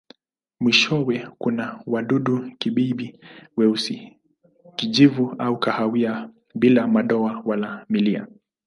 Mwishowe kuna wadudu-kibibi weusi, kijivu au kahawia bila madoa wala milia.